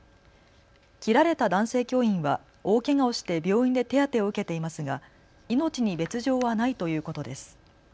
切られた男性教員は大けがをして病院で手当てを受けていますが命に別状はないということです。